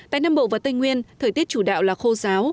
tại nam bộ và tây nguyên thời tiết chủ đạo là khô giáo